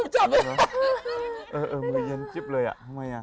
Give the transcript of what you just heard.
จริงมือเย็นจิ๊บเลยอ่ะทำไมอ่ะ